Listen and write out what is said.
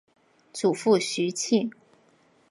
祖父徐庆。